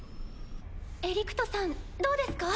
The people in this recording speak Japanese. エリクトさんどうですか？